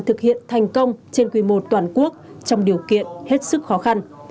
thực hiện thành công trên quy mô toàn quốc trong điều kiện hết sức khó khăn